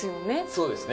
そうですね。